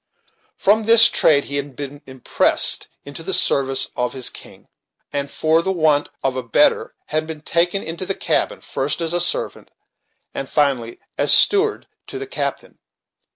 From this trade he had been impressed into the service of his king, and, for the want of a better, had been taken into the cabin, first as a servant, and finally as steward to the captain.